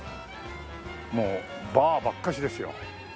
もうバーばっかしですよ。